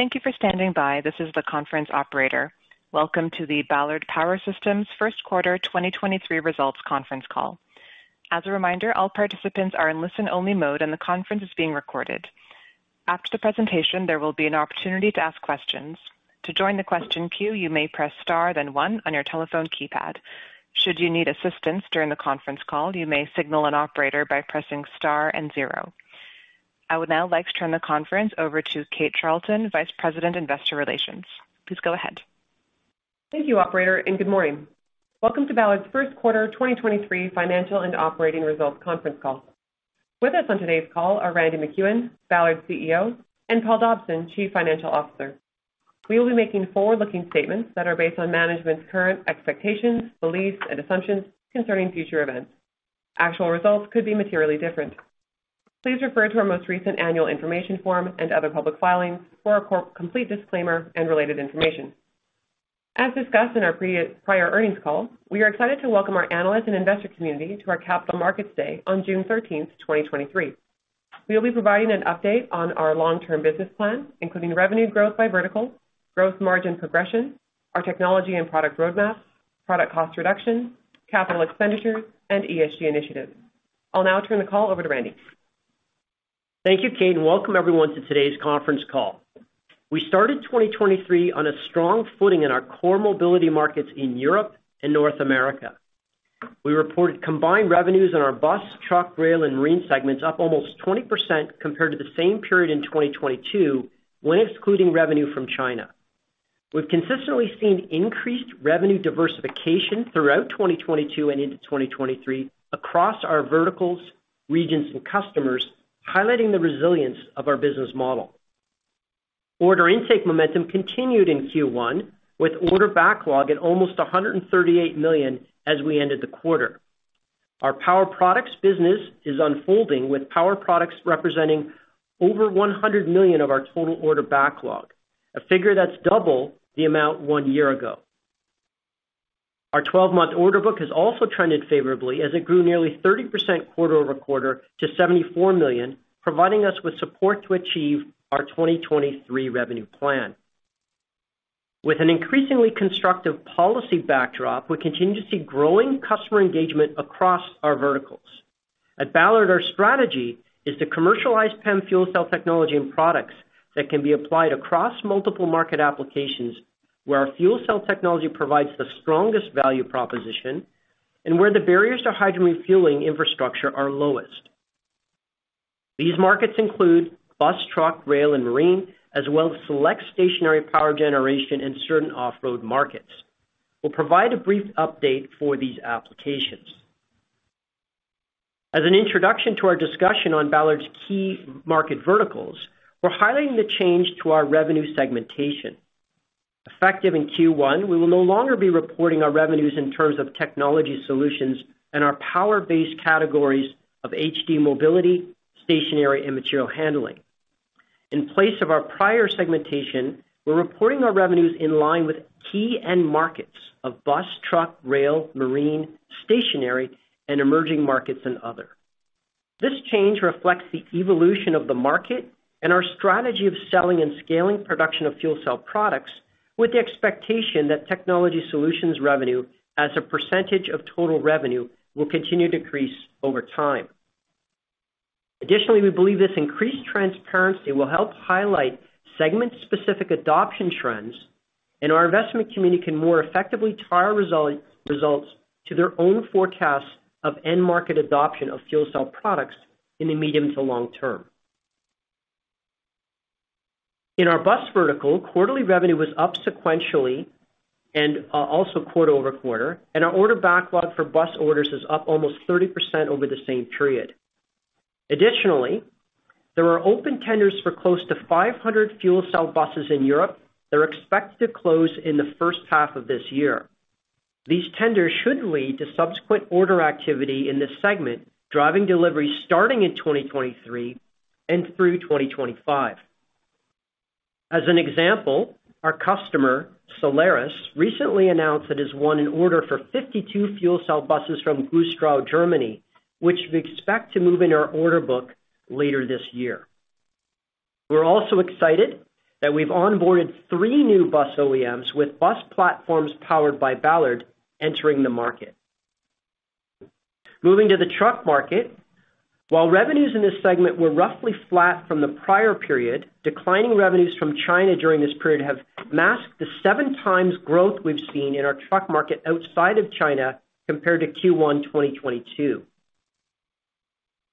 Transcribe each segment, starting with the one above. Thank you for standing by. This is the conference operator. Welcome to the Ballard Power Systems First Quarter 2023 Results Conference Call. As a reminder, all participants are in listen-only mode, and the conference is being recorded. After the presentation, there will be an opportunity to ask questions. To join the question queue, you may press star then 1 on your telephone keypad. Should you need assistance during the conference call, you may signal an operator by pressing star and 0. I would now like to turn the conference over to Kate Charlton, Vice President, Investor Relations. Please go ahead. Thank you, operator, and good morning. Welcome to Ballard's First Quarter 2023 Financial and Operating Results Conference Call. With us on today's call are Randy MacEwen, Ballard's CEO, and Paul Dobson, Chief Financial Officer. We will be making forward-looking statements that are based on management's current expectations, beliefs, and assumptions concerning future events. Actual results could be materially different. Please refer to our most recent annual information form and other public filings for a complete disclaimer and related information. As discussed in our prior earnings call, we are excited to welcome our analyst and investor community to our Capital Markets Day on June 13th, 2023. We will be providing an update on our long-term business plan, including revenue growth by vertical, growth margin progression, our technology and product roadmap, product cost reduction, capital expenditure, and ESG initiatives. I'll now turn the call over to Randy. Thank you, Kate. Welcome everyone to today's conference call. We started 2023 on a strong footing in our core mobility markets in Europe and North America. We reported combined revenues on our bus, truck, rail, and marine segments up almost 20% compared to the same period in 2022 when excluding revenue from China. We've consistently seen increased revenue diversification throughout 2022 and into 2023 across our verticals, regions, and customers, highlighting the resilience of our business model. Order intake momentum continued in Q1, with order backlog at almost $138 million as we ended the quarter. Our power products business is unfolding, with power products representing over $100 million of our total order backlog, a figure that's double the amount one year ago. Our 12-month order book has also trended favorably as it grew nearly 30% quarter-over-quarter to $74 million, providing us with support to achieve our 2023 revenue plan. With an increasingly constructive policy backdrop, we continue to see growing customer engagement across our verticals. At Ballard, our strategy is to commercialize PEM fuel cell technology and products that can be applied across multiple market applications where our fuel cell technology provides the strongest value proposition and where the barriers to hydrogen refueling infrastructure are lowest. These markets include bus, truck, rail, and marine, as well as select stationary power generation in certain off-road markets. We'll provide a brief update for these applications. As an introduction to our discussion on Ballard's key market verticals, we're highlighting the change to our revenue segmentation. Effective in Q1, we will no longer be reporting our revenues in terms of technology solutions and our power-based categories of HD mobility, stationary, and material handling. In place of our prior segmentation, we're reporting our revenues in line with key end markets of bus, truck, rail, marine, stationary, and emerging markets and other. This change reflects the evolution of the market and our strategy of selling and scaling production of fuel cell products with the expectation that technology solutions revenue as a percentage of total revenue will continue to decrease over time. Additionally, we believe this increased transparency will help highlight segment-specific adoption trends, and our investment community can more effectively tie our results to their own forecasts of end market adoption of fuel cell products in the medium to long term. In our bus vertical, quarterly revenue was up sequentially and also quarter-over-quarter, and our order backlog for bus orders is up almost 30% over the same period. Additionally, there are open tenders for close to 500 fuel cell buses in Europe that are expected to close in the first half of this year. These tenders should lead to subsequent order activity in this segment, driving delivery starting in 2023 and through 2025. As an example, our customer, Solaris, recently announced that it's won an order for 52 fuel cell buses from Güstrow, Germany, which we expect to move in our order book later this year. We're also excited that we've onboarded three new bus OEMs with bus platforms powered by Ballard entering the market. Moving to the truck market. While revenues in this segment were roughly flat from the prior period, declining revenues from China during this period have masked the 7 times growth we've seen in our truck market outside of China compared to Q1 2022.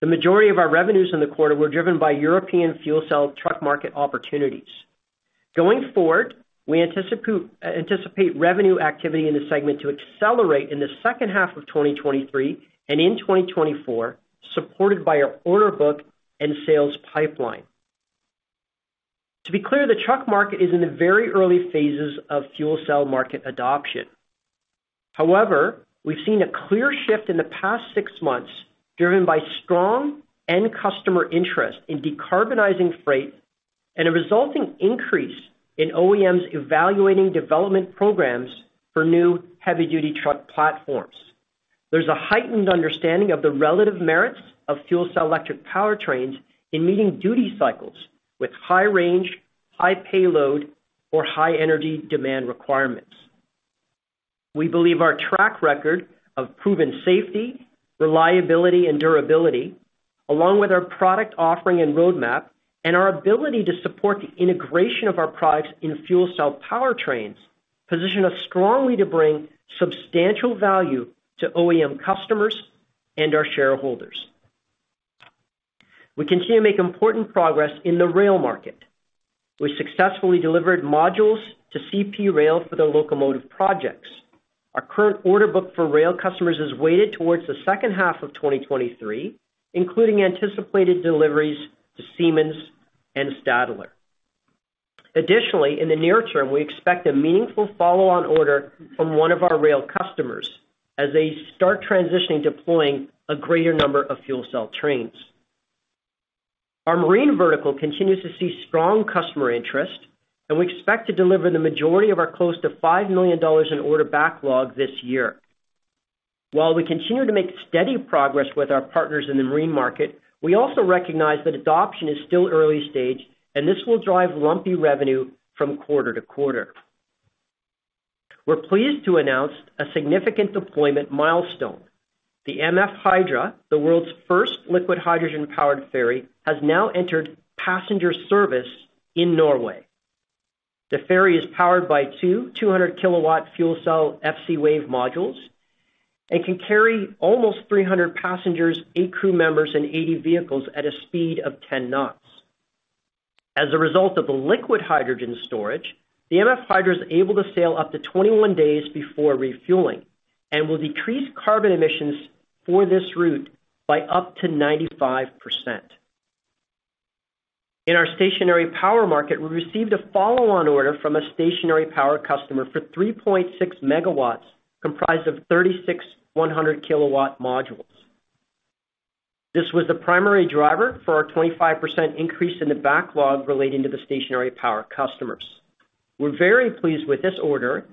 The majority of our revenues in the quarter were driven by European fuel cell truck market opportunities. Going forward, we anticipate revenue activity in the segment to accelerate in the second half of 2023 and in 2024, supported by our order book and sales pipeline. To be clear, the truck market is in the very early phases of fuel cell market adoption. We've seen a clear shift in the past six months, driven by strong end customer interest in decarbonizing freight and a resulting increase in OEMs evaluating development programs for new heavy-duty truck platforms. There's a heightened understanding of the relative merits of fuel cell electric powertrains in meeting duty cycles with high range, high payload, or high energy demand requirements. We believe our track record of proven safety, reliability, and durability, along with our product offering and roadmap, and our ability to support the integration of our products in fuel cell powertrains, position us strongly to bring substantial value to OEM customers and our shareholders. We continue to make important progress in the rail market. We successfully delivered modules to CP Rail for their locomotive projects. Our current order book for rail customers is weighted towards the second half of 2023, including anticipated deliveries to Siemens and Stadler. Additionally, in the near term, we expect a meaningful follow-on order from one of our rail customers as they start transitioning deploying a greater number of fuel cell trains. Our marine vertical continues to see strong customer interest, and we expect to deliver the majority of our close to $5 million in order backlog this year. While we continue to make steady progress with our partners in the marine market, we also recognize that adoption is still early stage, and this will drive lumpy revenue from quarter to quarter. We're pleased to announce a significant deployment milestone. The MF Hydra, the world's first liquid hydrogen-powered ferry, has now entered passenger service in Norway. The ferry is powered by two 200 kW fuel cell FCwave modules and can carry almost 300 passengers, eight crew members, and 80 vehicles at a speed of 10 knots. As a result of the liquid hydrogen storage, the MF Hydra is able to sail up to 21 days before refueling and will decrease carbon emissions for this route by up to 95%. In our stationary power market, we received a follow-on order from a stationary power customer for 3.6 megawatts comprised of 36 100 kilowatt modules. This was the primary driver for our 25% increase in the backlog relating to the stationary power customers. We're very pleased with this order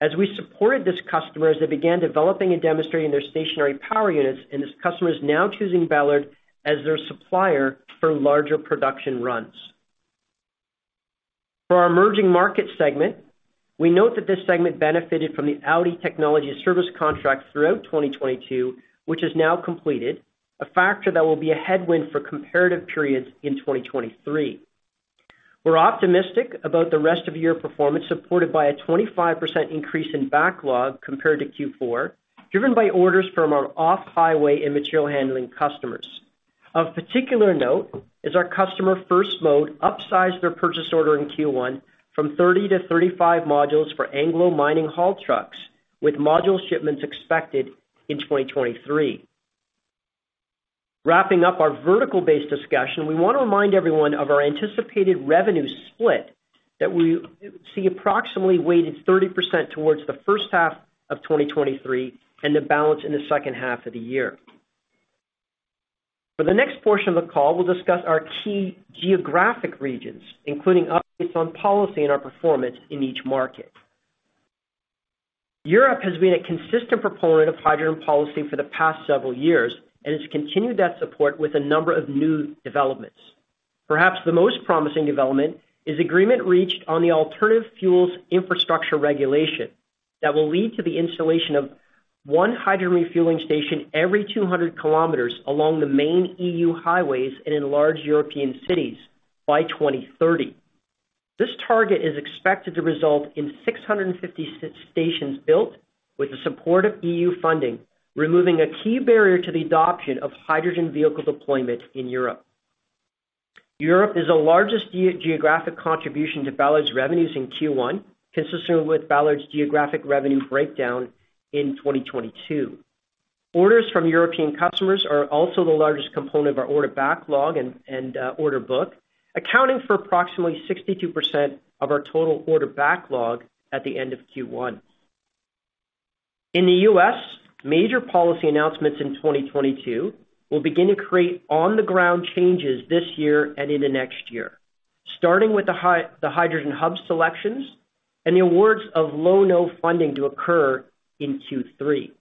as we supported this customer as they began developing and demonstrating their stationary power units, and this customer is now choosing Ballard as their supplier for larger production runs. For our emerging market segment, we note that this segment benefited from the Audi technology service contract throughout 2022, which is now completed, a factor that will be a headwind for comparative periods in 2023. We're optimistic about the rest of year performance, supported by a 25% increase in backlog compared to Q4, driven by orders from our off-highway and material handling customers. Of particular note is our customer First Mode upsized their purchase order in Q1 from 30 to 35 modules for Anglo American haul trucks, with module shipments expected in 2023. Wrapping up our vertical base discussion, we want to remind everyone of our anticipated revenue split that we see approximately weighted 30% towards the first half of 2023 and the balance in the second half of the year. For the next portion of the call, we'll discuss our key geographic regions, including updates on policy and our performance in each market. Europe has been a consistent proponent of hydrogen policy for the past several years and has continued that support with a number of new developments. The most promising development is agreement reached on the Alternative Fuels Infrastructure Regulation that will lead to the installation of 1 hydrogen refueling station every 200 kilometers along the main EU highways and in large European cities by 2030. This target is expected to result in 650 stations built with the support of EU funding, removing a key barrier to the adoption of hydrogen vehicle deployment in Europe. Europe is the largest geographic contribution to Ballard's revenues in Q1, consistent with Ballard's geographic revenue breakdown in 2022. Orders from European customers are also the largest component of our order backlog and order book, accounting for approximately 62% of our total order backlog at the end of Q1. In the U.S., major policy announcements in 2022 will begin to create on-the-ground changes this year and into next year, starting with the Hydrogen Hub selections and the awards of Low-No funding to occur in Q3.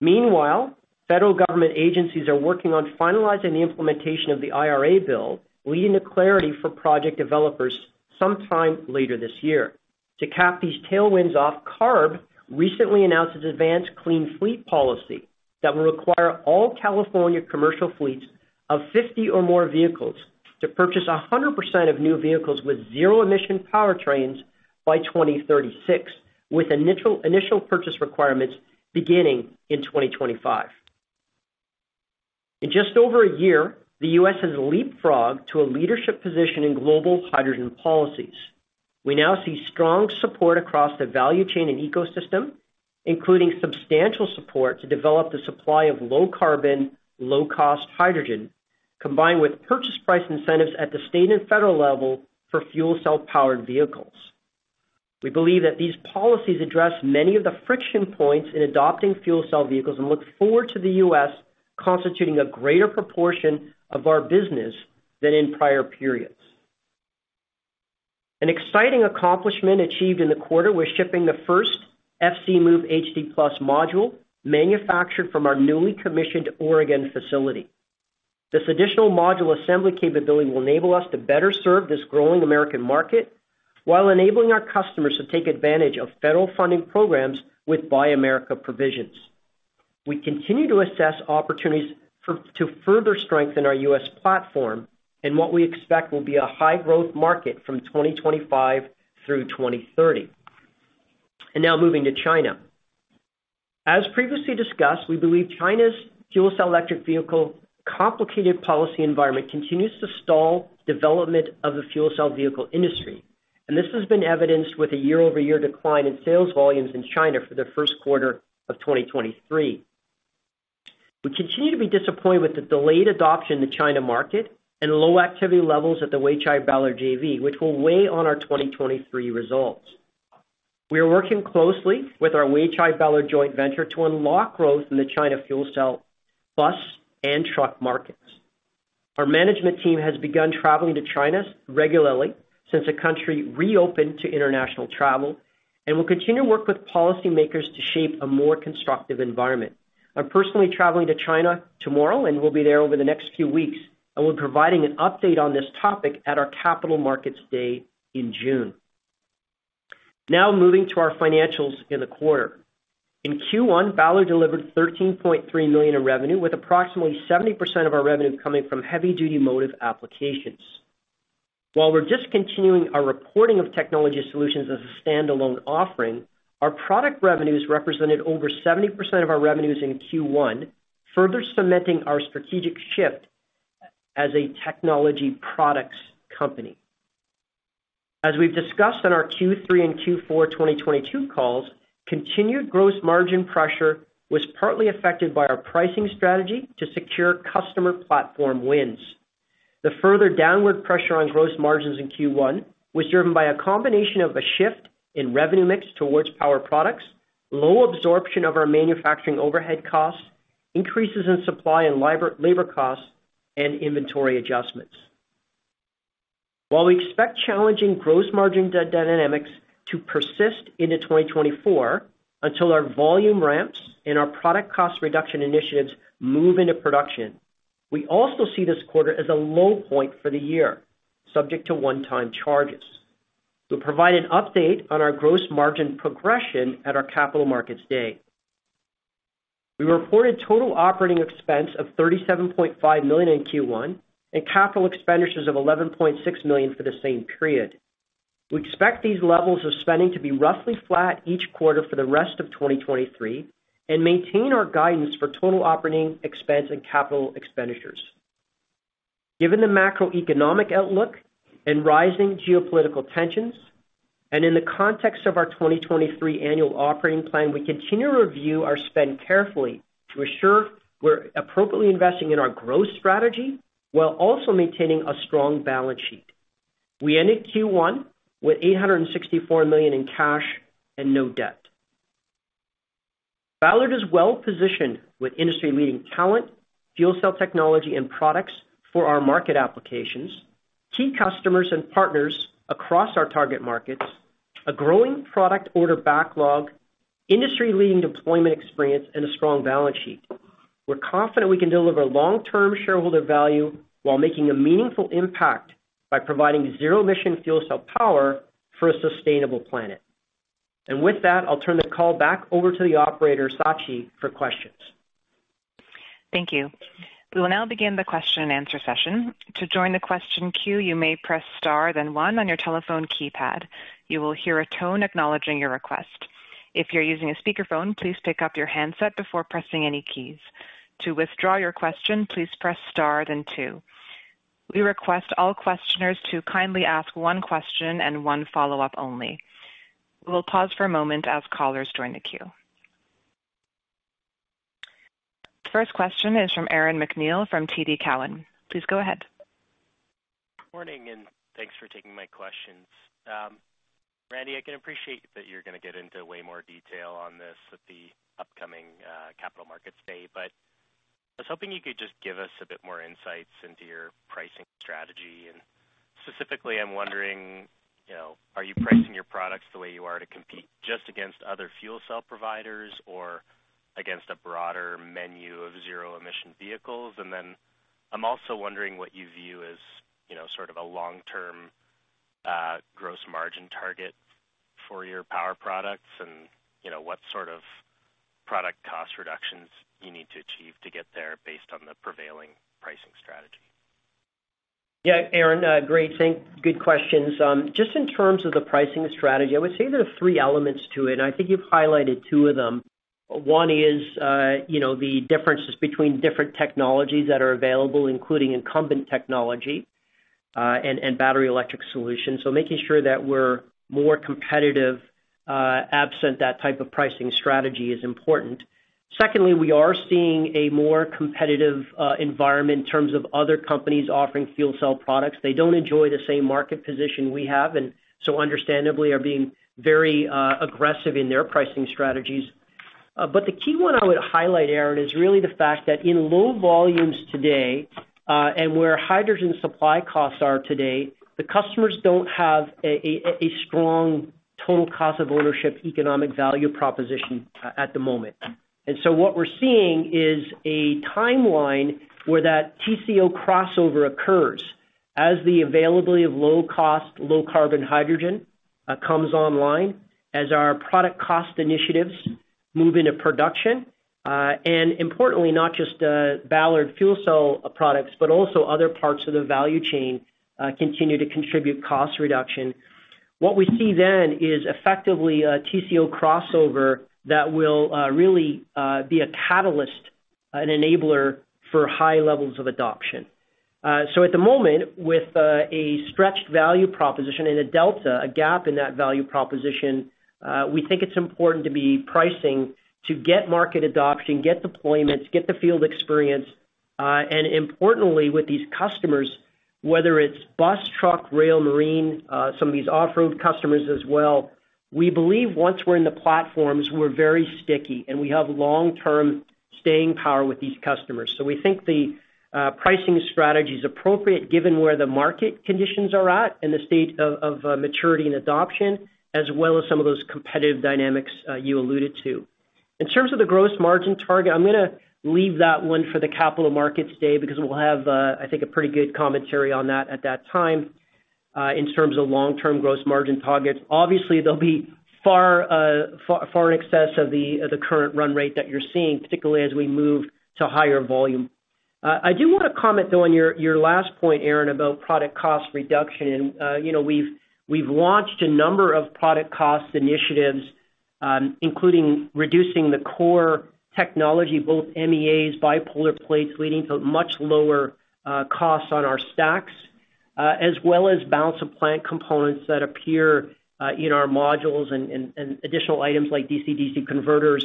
Meanwhile, federal government agencies are working on finalizing the implementation of the IRA bill, leading to clarity for project developers sometime later this year. To cap these tailwinds off, CARB recently announced its Advanced Clean Fleets policy that will require all California commercial fleets of 50 or more vehicles to purchase 100% of new vehicles with zero-emission powertrains by 2036, with initial purchase requirements beginning in 2025. In just over a year, the U.S. has leapfrogged to a leadership position in global hydrogen policies. We now see strong support across the value chain and ecosystem, including substantial support to develop the supply of low carbon, low cost hydrogen, combined with purchase price incentives at the state and federal level for fuel cell powered vehicles. We believe that these policies address many of the friction points in adopting fuel cell vehicles and look forward to the U.S. constituting a greater proportion of our business than in prior periods. An exciting accomplishment achieved in the quarter was shipping the first FCmove-HD+ module manufactured from our newly commissioned Oregon facility. This additional module assembly capability will enable us to better serve this growing American market while enabling our customers to take advantage of federal funding programs with Buy America provisions. We continue to assess opportunities to further strengthen our U.S. platform in what we expect will be a high growth market from 2025 through 2030. Now moving to China. As previously discussed, we believe China's fuel cell electric vehicle complicated policy environment continues to stall development of the fuel cell vehicle industry. This has been evidenced with a year-over-year decline in sales volumes in China for the first quarter of 2023. We continue to be disappointed with the delayed adoption in the China market and low activity levels at the Weichai-Ballard JV, which will weigh on our 2023 results. We are working closely with our Weichai-Ballard joint venture to unlock growth in the China fuel cell bus and truck markets. Our management team has begun traveling to China regularly since the country reopened to international travel, and we'll continue to work with policymakers to shape a more constructive environment. I'm personally traveling to China tomorrow, and we'll be there over the next few weeks, and we're providing an update on this topic at our Capital Markets Day in June. Moving to our financials in the quarter. In Q1, Ballard delivered $13.3 million in revenue, with approximately 70% of our revenue coming from heavy-duty motive applications. While we're discontinuing our reporting of technology solutions as a standalone offering, our product revenues represented over 70% of our revenues in Q1, further cementing our strategic shift as a technology products company. As we've discussed on our Q3 and Q4 2022 calls, continued gross margin pressure was partly affected by our pricing strategy to secure customer platform wins. The further downward pressure on gross margins in Q1 was driven by a combination of a shift in revenue mix towards our products, low absorption of our manufacturing overhead costs, increases in supply and labor costs, and inventory adjustments. While we expect challenging gross margin dynamics to persist into 2024 until our volume ramps and our product cost reduction initiatives move into production, we also see this quarter as a low point for the year, subject to one-time charges. We'll provide an update on our gross margin progression at our Capital Markets Day. We reported total operating expense of $37.5 million in Q1 and capital expenditures of $11.6 million for the same period. We expect these levels of spending to be roughly flat each quarter for the rest of 2023 and maintain our guidance for total operating expense and capital expenditures. Given the macroeconomic outlook and rising geopolitical tensions in the context of our 2023 annual operating plan, we continue to review our spend carefully to assure we're appropriately investing in our growth strategy while also maintaining a strong balance sheet. We ended Q1 with $864 million in cash and no debt. Ballard is well positioned with industry-leading talent, fuel cell technology and products for our market applications, key customers and partners across our target markets, a growing product order backlog, industry-leading deployment experience, and a strong balance sheet. We're confident we can deliver long-term shareholder value while making a meaningful impact by providing zero emission fuel cell power for a sustainable planet. With that, I'll turn the call back over to the operator, Sachi, for questions. Thank you. We will now begin the question and answer session. To join the question queue, you may press star, then one on your telephone keypad. You will hear a tone acknowledging your request. If you're using a speakerphone, please pick up your handset before pressing any keys. To withdraw your question, please press star then two. We request all questioners to kindly ask one question and one follow-up only. We will pause for a moment as callers join the queue. The first question is from Aaron MacNeil from TD Cowen. Please go ahead. Morning, thanks for taking my questions. Randy, I can appreciate that you're gonna get into way more detail on this at the upcoming Capital Markets Day, but I was hoping you could just give us a bit more insights into your pricing strategy. Specifically, I'm wondering, you know, are you pricing your products the way you are to compete just against other fuel cell providers or against a broader menu of zero emission vehicles? Then I'm also wondering what you view as, you know, sort of a long-term gross margin target for your power products and, you know, what sort of product cost reductions you need to achieve to get there based on the prevailing pricing strategy. Aaron, great. Good questions. Just in terms of the pricing strategy, I would say there are three elements to it. I think you've highlighted two of them. One is, you know, the differences between different technologies that are available, including incumbent technology, and battery electric solutions. Making sure that we're more competitive, absent that type of pricing strategy is important. Secondly, we are seeing a more competitive environment in terms of other companies offering fuel cell products. They don't enjoy the same market position we have, and so understandably are being very aggressive in their pricing strategies. The key one I would highlight, Aaron, is really the fact that in low volumes today, and where hydrogen supply costs are today, the customers don't have a strong total cost of ownership economic value proposition at the moment. What we're seeing is a timeline where that TCO crossover occurs as the availability of low cost, low carbon hydrogen comes online, as our product cost initiatives move into production. Importantly, not just Ballard fuel cell products, but also other parts of the value chain continue to contribute cost reduction. What we see is effectively a TCO crossover that will really be a catalyst, an enabler for high levels of adoption. At the moment, with a stretched value proposition and a delta, a gap in that value proposition, we think it's important to be pricing to get market adoption, get deployments, get the field experience. Importantly, with these customers, whether it's bus, truck, rail, marine, some of these off-road customers as well, we believe once we're in the platforms, we're very sticky, and we have long-term staying power with these customers. We think the pricing strategy is appropriate given where the market conditions are at and the state of maturity and adoption, as well as some of those competitive dynamics, you alluded to. In terms of the gross margin target, I'm gonna leave that one for the capital markets day because we'll have, I think, a pretty good commentary on that at that time, in terms of long-term gross margin targets. Obviously, they'll be far, far, far in excess of the current run rate that you're seeing, particularly as we move to higher volume. I do wanna comment, though, on your last point, Aaron, about product cost reduction. you know, we've launched a number of product cost initiatives, including reducing the core technology, both MEAs, bipolar plates, leading to much lower costs on our stacks, as well as balance of plant components that appear in our modules and additional items like DC-DC converters.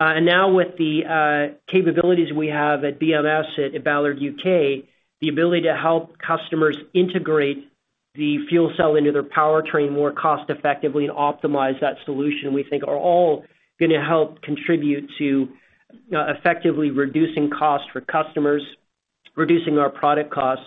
Now with the capabilities we have at BMS, at Ballard UK, the ability to help customers integrate the fuel cell into their powertrain more cost effectively and optimize that solution, we think are all gonna help contribute to effectively reducing costs for customers, reducing our product costs.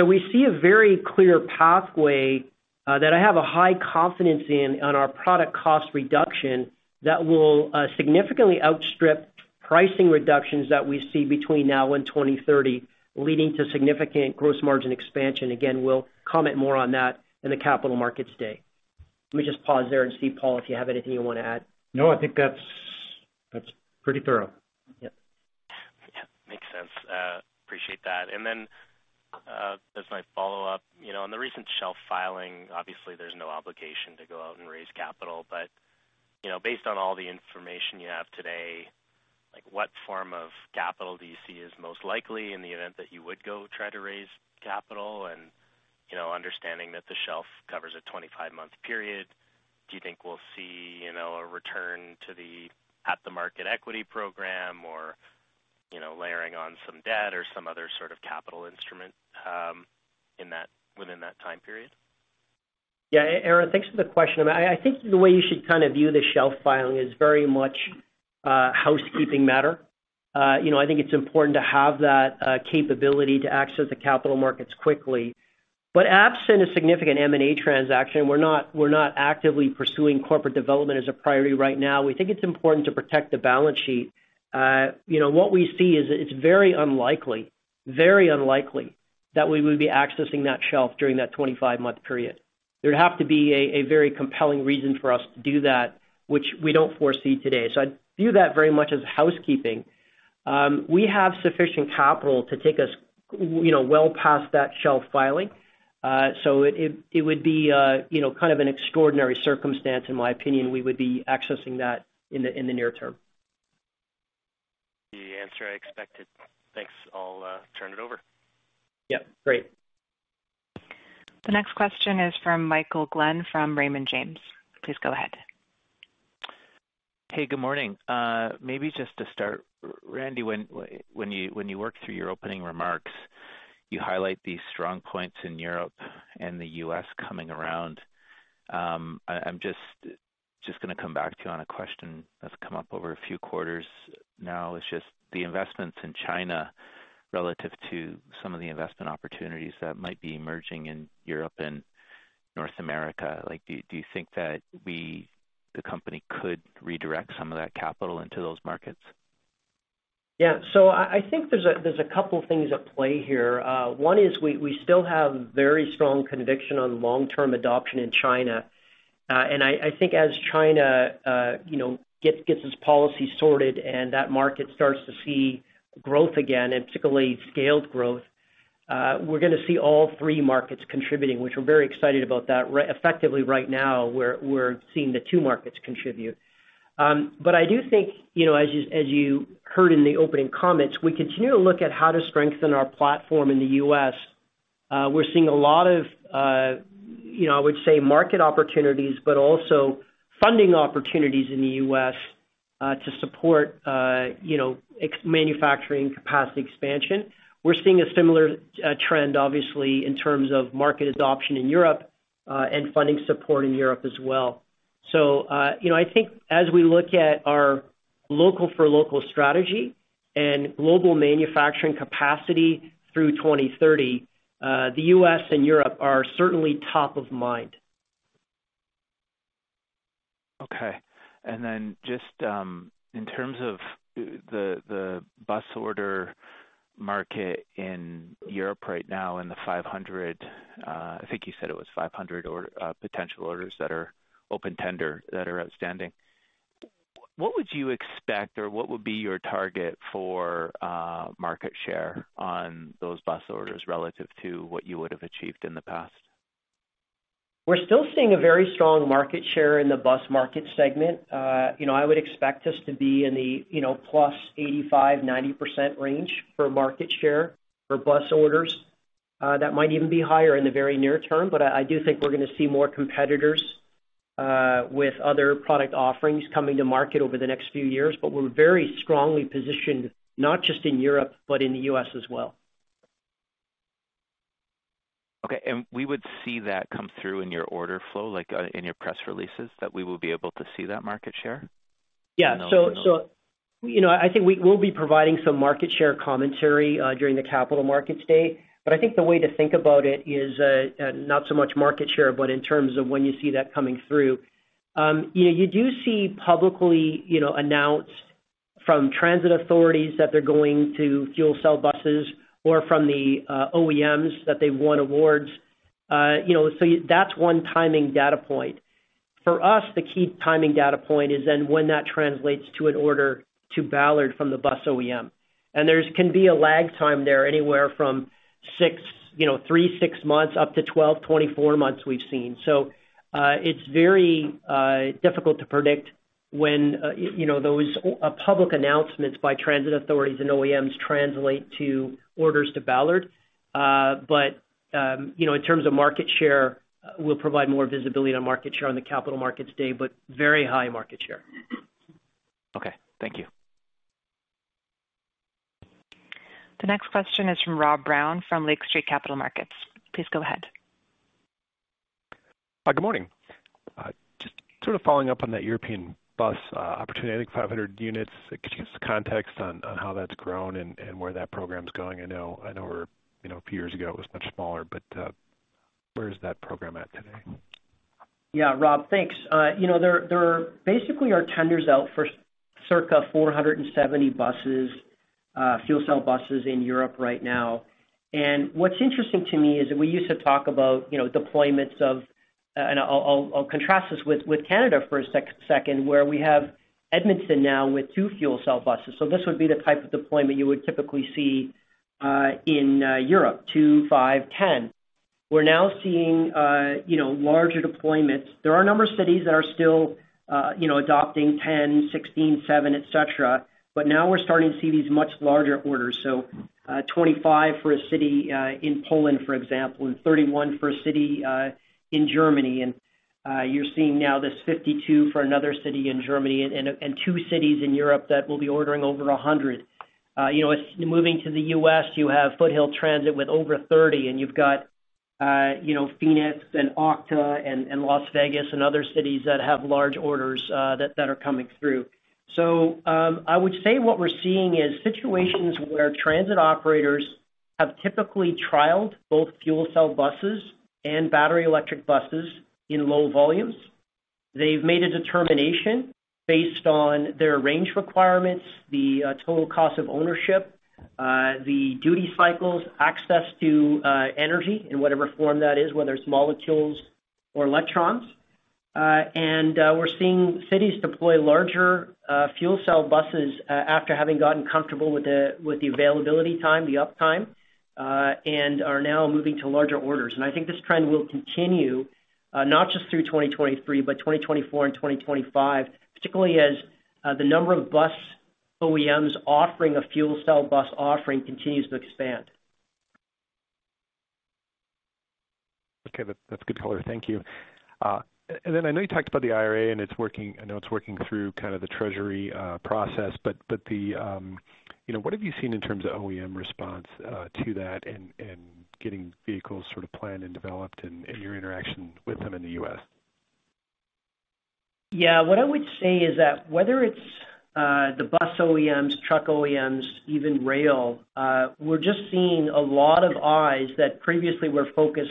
We see a very clear pathway that I have a high confidence in on our product cost reduction that will significantly outstrip pricing reductions that we see between now and 2030, leading to significant gross margin expansion. We'll comment more on that in the capital markets day. Let me just pause there and see, Paul, if you have anything you wanna add. No, I think that's pretty thorough. Yep. Yeah, makes sense. Appreciate that. As my follow-up, you know, on the recent shelf filing, obviously there's no obligation to go out and raise capital, but, you know, based on all the information you have today, like what form of capital do you see is most likely in the event that you would go try to raise capital? Understanding that the shelf covers a 25-month period, do you think we'll see, you know, a return to the at the market equity program or, you know, layering on some debt or some other sort of capital instrument within that time period? Yeah. Aaron, thanks for the question. I think the way you should kind of view the shelf filing is very much a housekeeping matter. you know, I think it's important to have that capability to access the capital markets quickly. Absent a significant M&A transaction, we're not actively pursuing corporate development as a priority right now. We think it's important to protect the balance sheet. you know, what we see is it's very unlikely that we would be accessing that shelf during that 25-month period. There'd have to be a very compelling reason for us to do that, which we don't foresee today. I view that very much as housekeeping. We have sufficient capital to take us, you know, well past that shelf filing. It would be, you know, kind of an extraordinary circumstance, in my opinion, we would be accessing that in the near term. The answer I expected. Thanks. I'll turn it over. Yep. Great. The next question is from Michael Glen from Raymond James. Please go ahead. Hey, good morning. Maybe just to start, Randy, when you work through your opening remarks, you highlight these strong points in Europe and the US coming around. I'm just gonna come back to you on a question that's come up over a few quarters now. It's just the investments in China relative to some of the investment opportunities that might be emerging in Europe and North America. Like, do you think that the company could redirect some of that capital into those markets? I think there's a couple things at play here. One is we still have very strong conviction on long-term adoption in China. I think as China, you know, gets its policy sorted and that market starts to see growth again, and particularly scaled growth, we're gonna see all three markets contributing, which we're very excited about that. Effectively right now, we're seeing the two markets contribute. I do think, you know, as you heard in the opening comments, we continue to look at how to strengthen our platform in the U.S. We're seeing a lot of, you know, I would say market opportunities, but also funding opportunities in the U.S., to support, you know, manufacturing capacity expansion. We're seeing a similar trend, obviously, in terms of market adoption in Europe. Funding support in Europe as well. You know, I think as we look at our local for local strategy and global manufacturing capacity through 2030, the U.S. and Europe are certainly top of mind. Okay. In terms of the bus order market in Europe right now in the 500, I think you said it was 500 or potential orders that are open tender that are outstanding. What would you expect or what would be your target for market share on those bus orders relative to what you would have achieved in the past? We're still seeing a very strong market share in the bus market segment. You know, I would expect us to be in the, you know, plus 85%-90% range for market share for bus orders. That might even be higher in the very near term, but I do think we're gonna see more competitors with other product offerings coming to market over the next few years. We're very strongly positioned, not just in Europe, but in the US as well. Okay. We would see that come through in your order flow, like, in your press releases, that we will be able to see that market share? Yeah. No, we will not? You know, I think we will be providing some market share commentary during the capital market today. I think the way to think about it is not so much market share, but in terms of when you see that coming through. You know, you do see publicly, you know, announced from transit authorities that they're going to fuel cell buses or from the OEMs that they've won awards. You know, so that's one timing data point. For us, the key timing data point is then when that translates to an order to Ballard from the bus OEM. There can be a lag time there anywhere from 6, you know, 3, 6 months up to 12, 24 months we've seen. It's very difficult to predict when, you know, those public announcements by transit authorities and OEMs translate to orders to Ballard. You know, in terms of market share, we'll provide more visibility on market share on the capital markets day, but very high market share. Okay, thank you. The next question is from Robert Brown from Lake Street Capital Markets. Please go ahead. Hi, good morning. Just sort of following up on that European bus opportunity, I think 500 units. Could you give us some context on how that's grown and where that program's going? I know we're, you know, a few years ago it was much smaller, but where is that program at today? Yeah. Robert, thanks. You know, there basically are tenders out for circa 470 buses, fuel cell buses in Europe right now. What's interesting to me is that we used to talk about, you know, deployments of, and I'll contrast this with Canada for a second, where we have Edmonton now with two fuel cell buses. This would be the type of deployment you would typically see in Europe, two, five, 10. We're now seeing, you know, larger deployments. There are a number of cities that are still, you know, adopting 10, 16, seven, et cetera. Now we're starting to see these much larger orders. 25 for a city in Poland, for example, and 31 for a city in Germany. You're seeing now this 52 for another city in Germany and two cities in Europe that will be ordering over 100. You know, as moving to the US, you have Foothill Transit with over 30, and you've got, you know, Phoenix and OCTA and Las Vegas and other cities that have large orders that are coming through. I would say what we're seeing is situations where transit operators have typically trialed both fuel cell buses and battery electric buses in low volumes. They've made a determination based on their range requirements, the total cost of ownership, the duty cycles, access to energy in whatever form that is, whether it's molecules or electrons. We're seeing cities deploy larger, fuel cell buses after having gotten comfortable with the availability time, the uptime and are now moving to larger orders. I think this trend will continue, not just through 2023, but 2024 and 2025, particularly as the number of bus OEMs offering a fuel cell bus offering continues to expand. Okay. That's good color. Thank you. I know you talked about the IRA and it's working, I know it's working through kind of the treasury process, but the, you know, what have you seen in terms of OEM response to that and getting vehicles sort of planned and developed in your interaction with them in the U.S.? Yeah. What I would say is that whether it's the bus OEMs, truck OEMs, even rail, we're just seeing a lot of eyes that previously were focused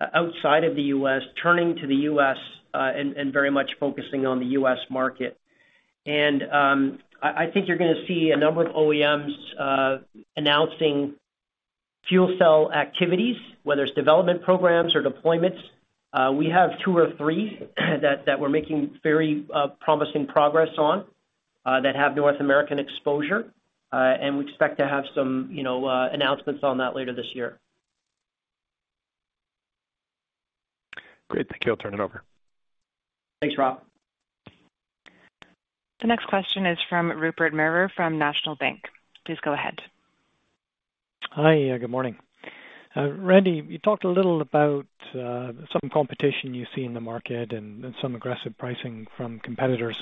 outside of the U.S., turning to the U.S., and very much focusing on the U.S. market. I think you're gonna see a number of OEMs announcing fuel cell activities, whether it's development programs or deployments. We have two or three that we're making very promising progress on, that have North American exposure. We expect to have some, you know, announcements on that later this year. Great. Thank you. I'll turn it over. Thanks, Rob. The next question is from Rupert Merer from National Bank. Please go ahead. Hi. Good morning. Randy, you talked a little about some competition you see in the market and some aggressive pricing from competitors.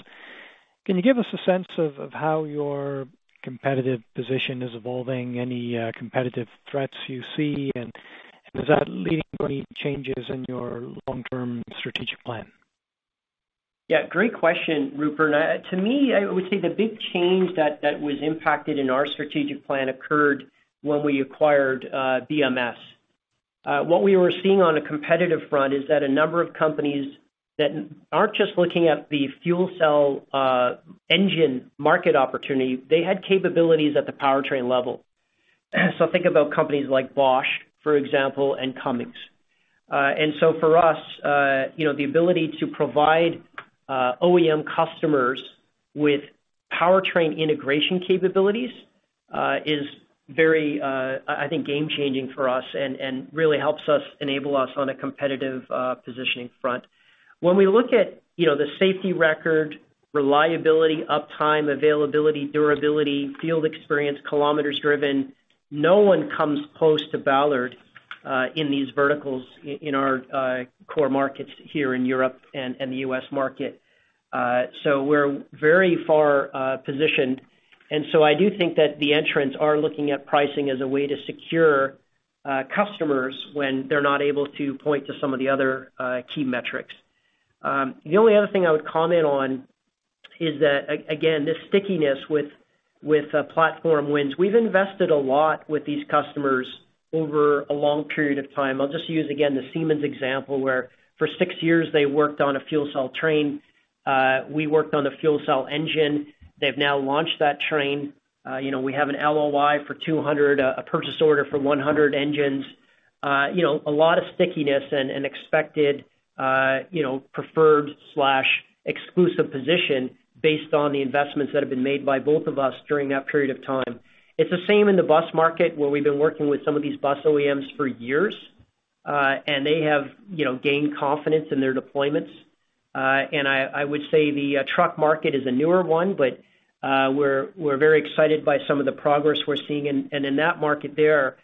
Can you give us a sense of how your competitive position is evolving, any competitive threats you see? Is that leading to any changes in your long-term strategic plan? Yeah, great question, Rupert. To me, I would say the big change that was impacted in our strategic plan occurred when we acquired BMS. What we were seeing on a competitive front is that a number of companies that aren't just looking at the fuel cell engine market opportunity, they had capabilities at the powertrain level. Think about companies like Bosch, for example, and Cummins. For us, you know, the ability to provide OEM customers with powertrain integration capabilities is very, I think, game changing for us and really helps us enable us on a competitive positioning front. When we look at, you know, the safety record, reliability, uptime, availability, durability, field experience, kilometers driven, no one comes close to Ballard, in these verticals in our core markets here in Europe and the U.S. market. We're very far positioned. I do think that the entrants are looking at pricing as a way to secure customers when they're not able to point to some of the other key metrics. The only other thing I would comment on is that again, this stickiness with platform wins. We've invested a lot with these customers over a long period of time. I'll just use, again, the Siemens example, where for six years, they worked on a fuel cell train. We worked on a fuel cell engine. They've now launched that train. you know, we have an LOI for 200, a purchase order for 100 engines. you know, a lot of stickiness and an expected, you know, preferred/exclusive position based on the investments that have been made by both of us during that period of time. It's the same in the bus market, where we've been working with some of these bus OEMs for years, and they have, you know, gained confidence in their deployments. I would say the truck market is a newer one, but we're very excited by some of the progress we're seeing. In that market there,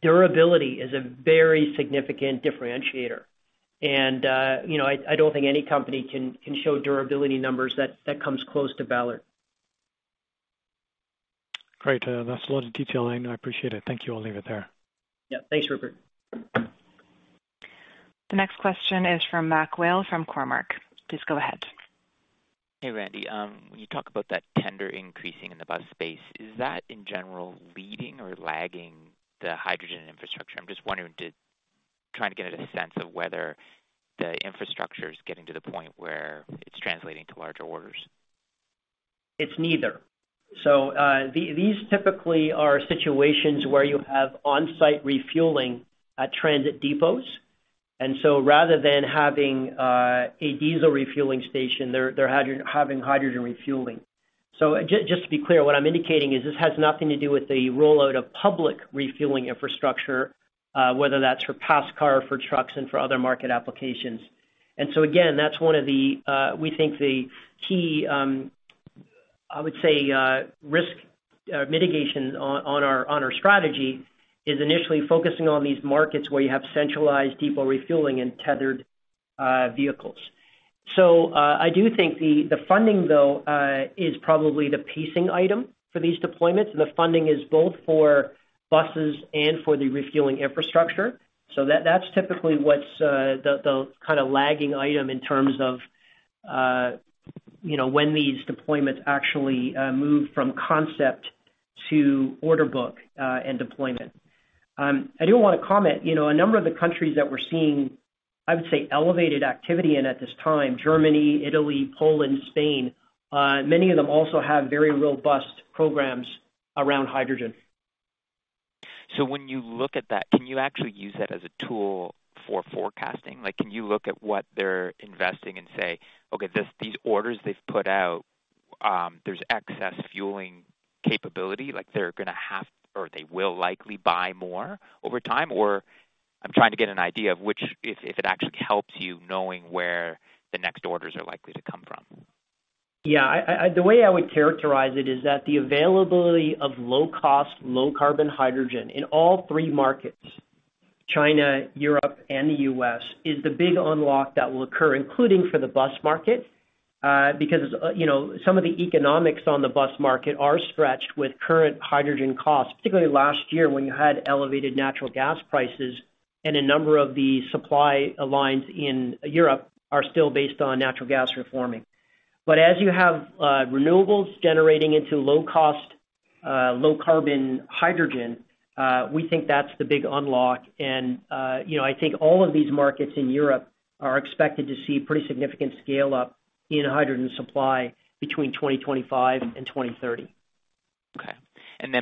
durability is a very significant differentiator. I don't think any company can show durability numbers that comes close to Ballard. Great. That's a lot of detail, and I appreciate it. Thank you. I'll leave it there. Yeah. Thanks, Rupert. The next question is from MacMurray Whale from Cormark. Please go ahead. Hey, Randy. When you talk about that tender increasing in the bus space, is that in general leading or lagging the hydrogen infrastructure? I'm just wondering to try to get a sense of whether the infrastructure is getting to the point where it's translating to larger orders. It's neither. These typically are situations where you have on-site refueling at transit depots. Rather than having a diesel refueling station, they're having hydrogen refueling. Just to be clear, what I'm indicating is this has nothing to do with the rollout of public refueling infrastructure, whether that's for pass car, for trucks and for other market applications. Again, that's one of the, we think the key, I would say, risk mitigation on our strategy is initially focusing on these markets where you have centralized depot refueling and tethered vehicles. I do think the funding, though, is probably the pacing item for these deployments. The funding is both for buses and for the refueling infrastructure. That's typically what's the kind of lagging item in terms of, you know, when these deployments actually move from concept to order book and deployment. I do wanna comment, you know, a number of the countries that we're seeing, I would say, elevated activity in at this time, Germany, Italy, Poland, Spain, many of them also have very robust programs around hydrogen. When you look at that, can you actually use that as a tool for forecasting? Like, can you look at what they're investing and say, "Okay, these orders they've put out, there's excess fueling capability, like they're gonna have or they will likely buy more over time?" I'm trying to get an idea of which if it actually helps you knowing where the next orders are likely to come from. Yeah. The way I would characterize it is that the availability of low cost, low carbon hydrogen in all three markets, China, Europe and the U.S., is the big unlock that will occur, including for the bus market. Because, you know, some of the economics on the bus market are stretched with current hydrogen costs, particularly last year when you had elevated natural gas prices and a number of the supply lines in Europe are still based on natural gas reforming. As you have, renewables generating into low cost, low carbon hydrogen, we think that's the big unlock. You know, I think all of these markets in Europe are expected to see pretty significant scale up in hydrogen supply between 2025 and 2030. Okay.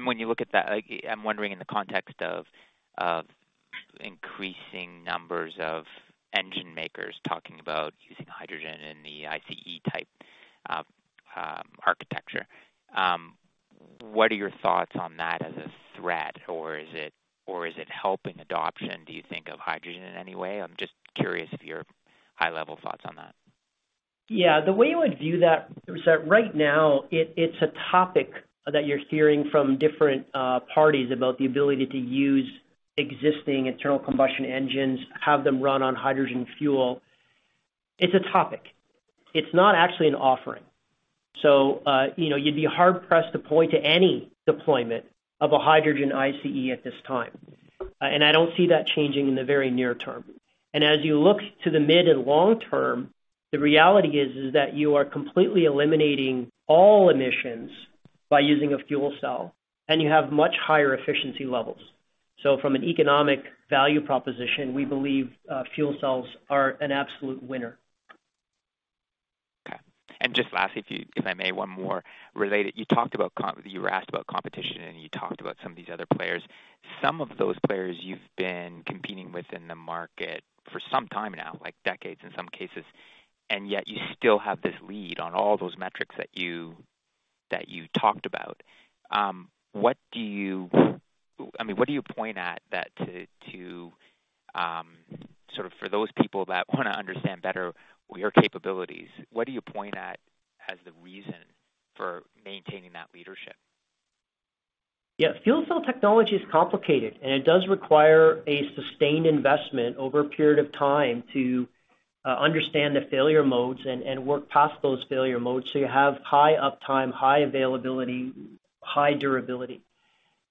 When you look at that, like, I'm wondering in the context of increasing numbers of engine makers talking about using hydrogen in the ICE type architecture, what are your thoughts on that as a threat? Or is it helping adoption, do you think, of hydrogen in any way? I'm just curious of your high-level thoughts on that. Yeah. The way I would view that is that right now it's a topic that you're hearing from different parties about the ability to useExisting internal combustion engines have them run on hydrogen fuel. It's a topic. It's not actually an offering. You know, you'd be hard-pressed to point to any deployment of a hydrogen ICE at this time. I don't see that changing in the very near term. As you look to the mid and long term, the reality is that you are completely eliminating all emissions by using a fuel cell, and you have much higher efficiency levels. From an economic value proposition, we believe fuel cells are an absolute winner. Okay. Just lastly, if I may, one more related. You were asked about competition, and you talked about some of these other players. Some of those players you've been competing with in the market for some time now, like decades in some cases, and yet you still have this lead on all those metrics that you talked about. I mean, what do you point at that to, sort of for those people that wanna understand better your capabilities, what do you point at as the reason for maintaining that leadership? Yeah. Fuel cell technology is complicated, and it does require a sustained investment over a period of time to understand the failure modes and work past those failure modes so you have high uptime, high availability, high durability.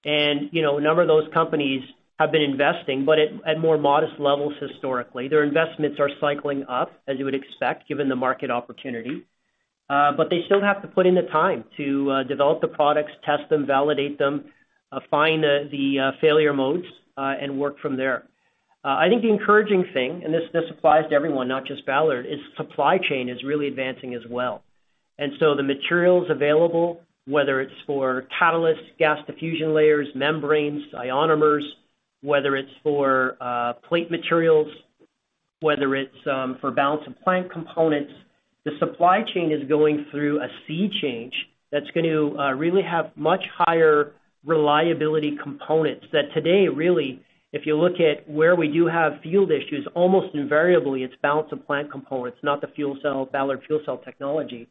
You know, a number of those companies have been investing, but at more modest levels historically. Their investments are cycling up as you would expect, given the market opportunity. They still have to put in the time to develop the products, test them, validate them, find the failure modes and work from there. I think the encouraging thing, and this applies to everyone, not just Ballard, is supply chain is really advancing as well. The materials available, whether it's for catalysts, gas diffusion layers, membranes, ionomers, whether it's for plate materials, whether it's for balance of plant components, the supply chain is going through a sea change that's going to really have much higher reliability components. That today, really, if you look at where we do have field issues, almost invariably it's balance of plant components, not the fuel cell, Ballard fuel cell technology.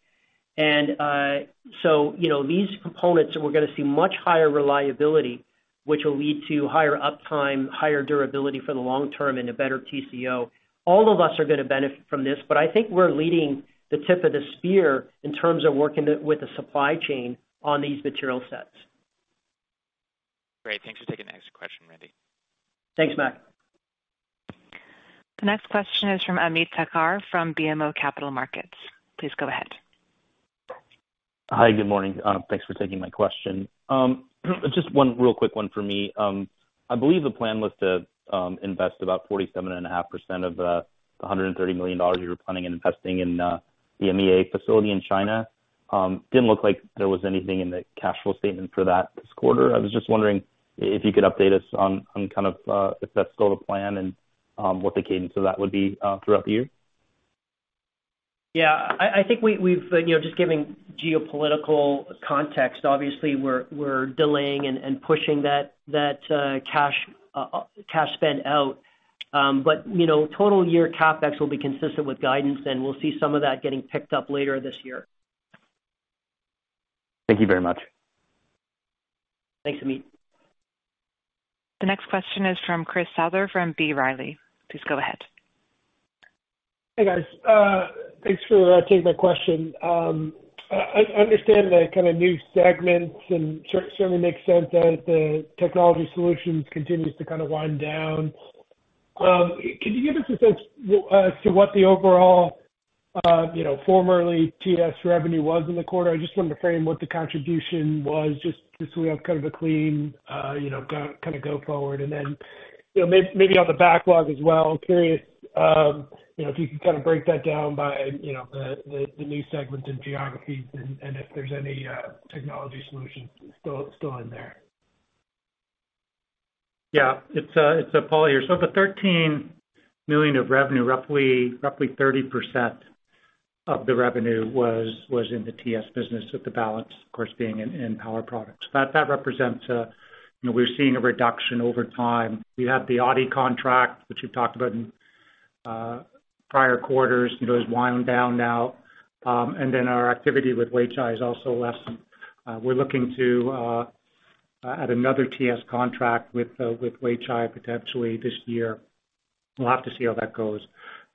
So, you know, these components, we're gonna see much higher reliability, which will lead to higher uptime, higher durability for the long term, and a better TCO. All of us are gonna benefit from this, but I think we're leading the tip of the spear in terms of working the, with the supply chain on these material sets. Great. Thanks for taking the next question, Randy. Thanks, Matt. The next question is from Ameet Thakkar from BMO Capital Markets. Please go ahead. Hi. Good morning. Thanks for taking my question. Just one real quick one for me. I believe the plan was to invest about 47.5% of the $130 million you were planning on investing in the MEA facility in China. Didn't look like there was anything in the cash flow statement for that this quarter. I was just wondering if you could update us on kind of, if that's still the plan and what the cadence of that would be throughout the year. Yeah. I think we've, you know, just giving geopolitical context, obviously we're delaying and pushing that cash spend out. You know, total year CapEx will be consistent with guidance, and we'll see some of that getting picked up later this year. Thank you very much. Thanks, Amit. The next question is from Christopher Souther from B. Riley. Please go ahead. Hey, guys. Thanks for taking my question. I understand the kind of new segments and certainly makes sense that the technology solutions continues to kind of wind down. Can you give us a sense as to what the overall, you know, formerly TS revenue was in the quarter? I just wanted to frame what the contribution was just so we have kind of a clean, you know, go forward. You know, maybe on the backlog as well, I'm curious, you know, if you can kind of break that down by, you know, the new segments and geographies and if there's any technology solutions still in there. Yeah. It's Paul here. The $13 million of revenue, roughly 30% of the revenue was in the TS business, with the balance, of course, being in power products. That represents, you know, we're seeing a reduction over time. We have the Audi contract, which we've talked about in prior quarters, you know, is winding down now. Our activity with Weichai is also less. We're looking to at another TS contract with Weichai potentially this year. We'll have to see how that goes.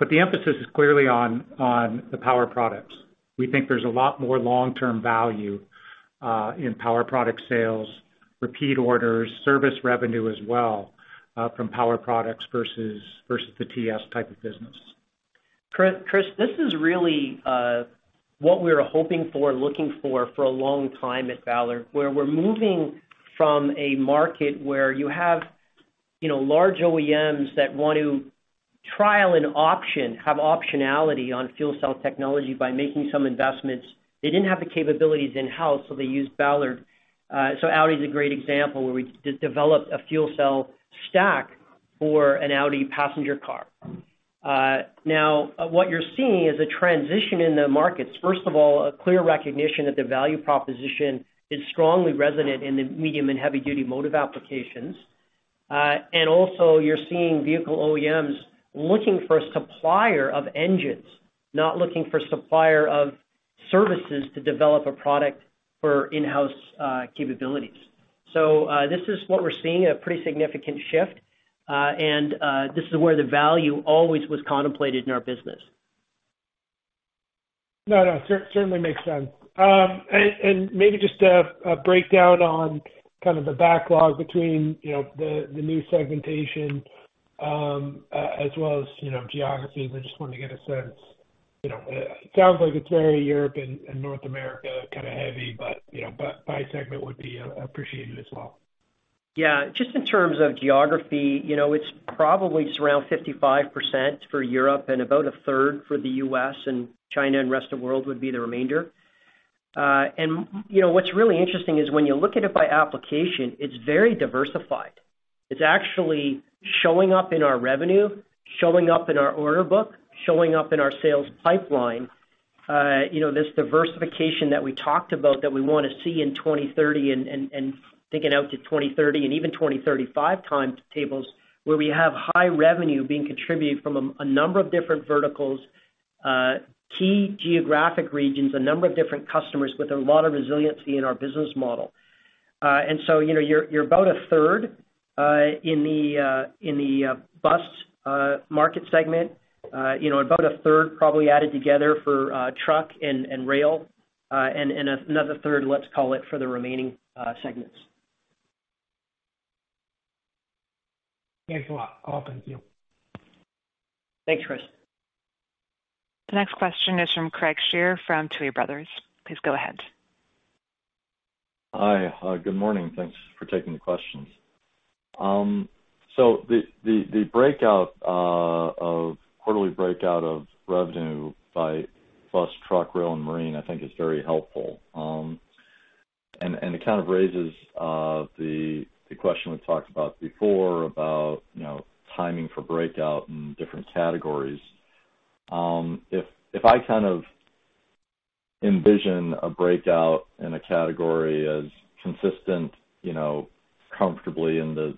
The emphasis is clearly on the power products. We think there's a lot more long-term value in power product sales, repeat orders, service revenue as well, from power products versus the TS type of business. Chris, this is really what we're hoping for, looking for a long time at Ballard, where we're moving from a market where you have, you know, large OEMs that want to trial an option, have optionality on fuel cell technology by making some investments. They didn't have the capabilities in-house, so they used Ballard. Audi is a great example where we de-developed a fuel cell stack for an Audi passenger car. Now, what you're seeing is a transition in the markets. First of all, a clear recognition that the value proposition is strongly resonant in the medium and heavy-duty motive applications. Also, you're seeing vehicle OEMs looking for a supplier of engines, not looking for a supplier of services to develop a product for in-house capabilities. This is what we're seeing, a pretty significant shift. This is where the value always was contemplated in our business. No, no, certainly makes sense. Maybe just a breakdown on kind of the backlog between, you know, the new segmentation, as well as, you know, geographies. I just wanted to get a sense. You know, it sounds like it's very Europe and North America kind of heavy, but, you know, by segment would be appreciated as well. Yeah. Just in terms of geography, you know, it's probably just around 55% for Europe and about 1/3 for the US, and China and rest of world would be the remainder. You know, what's really interesting is when you look at it by application, it's very diversified. It's actually showing up in our revenue, showing up in our order book, showing up in our sales pipeline. You know, this diversification that we talked about that we wanna see in 2030 and thinking out to 2030 and even 2035 timetables, where we have high revenue being contributed from a number of different verticals, key geographic regions, a number of different customers with a lot of resiliency in our business model. You know, you're about 1/3 in the bus market segment. you know, about a third probably added together for truck and rail. Another third, let's call it, for the remaining segments. Thanks a lot. I'll open to you. Thanks, Chris. The next question is from Craig Shere from Tuohy Brothers. Please go ahead. Hi. Good morning. Thanks for taking the questions. The breakout of quarterly breakout of revenue by bus, truck, rail and marine, I think is very helpful. It kind of raises the question we've talked about before about, you know, timing for breakout in different categories. If I kind of envision a breakout in a category as consistent, you know, comfortably in the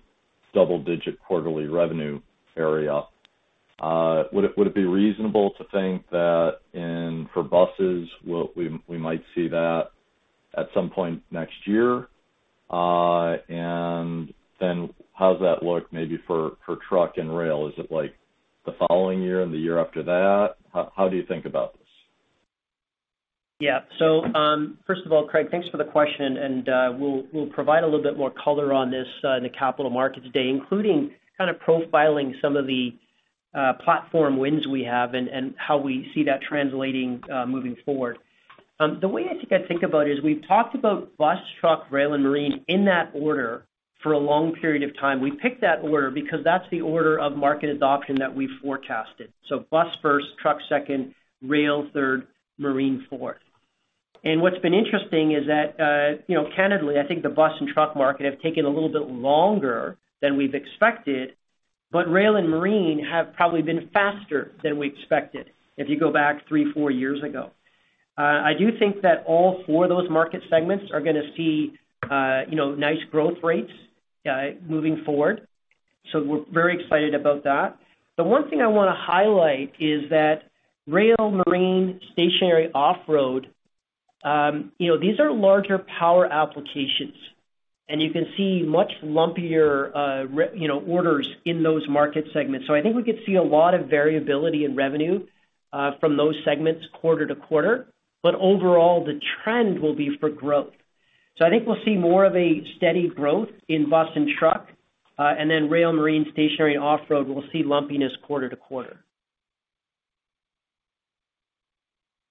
double-digit quarterly revenue area, would it be reasonable to think that for buses we might see that at some point next year? How does that look maybe for truck and rail? Is it like the following year and the year after that? How do you think about this? Yeah. First of all, Craig, thanks for the question, and we'll provide a little bit more color on this in the capital markets today, including kind of profiling some of the platform wins we have and how we see that translating moving forward. The way I think I'd think about it is we've talked about bus, truck, rail and marine in that order for a long period of time. We picked that order because that's the order of market adoption that we forecasted. Bus first, truck second, rail third, marine fourth. What's been interesting is that, you know, candidly, I think the bus and truck market have taken a little bit longer than we've expected, but rail and marine have probably been faster than we expected if you go back 3, 4 years ago. I do think that all 4 of those market segments are gonna see, you know, nice growth rates, moving forward. We're very excited about that. The one thing I wanna highlight is that rail, marine, stationary, off road, you know, these are larger power applications, and you can see much lumpier, you know, orders in those market segments. I think we could see a lot of variability in revenue, from those segments quarter to quarter, but overall the trend will be for growth. I think we'll see more of a steady growth in bus and truck, and then rail, marine, stationary, off road, we'll see lumpiness quarter to quarter.